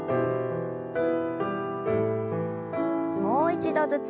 もう一度ずつ。